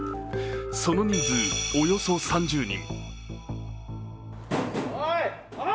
その人数、およそ３０人。